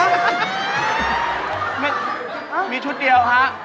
มีชุดเดียวฮะ